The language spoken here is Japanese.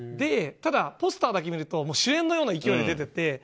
ただ、ポスターだけ見ると主演のような勢いで出てて。